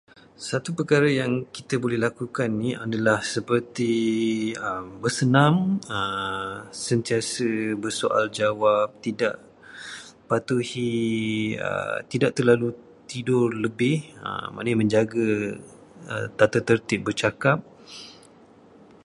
Satu perkara yang kita boleh lakukan adalah seperti bersenam, sentiasa bersoal jawab, tidak patuhi- tidak terlalu tidur lebih. Maknanya menjaga tatatertib bercakap.